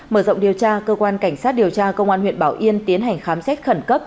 mở rộng điều tra cơ quan cảnh sát điều tra công an huyện bảo yên tiến hành khám xét khẩn cấp